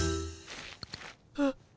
あっ。